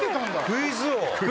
クイズ王！